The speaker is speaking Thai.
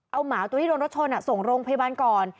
เอาหมาตัวที่โดนรถชนส่งโรงพยาบาลก่อน